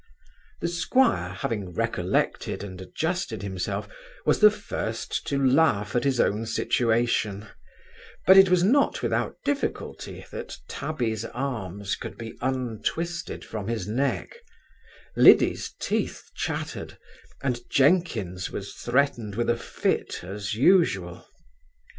The 'squire, having recollected and adjusted himself, was the first to laugh at his own situation: but it was not without difficulty, that Tabby's arms could be untwisted from his neck; Liddy's teeth chattered, and Jenkins was threatened with a fit as usual.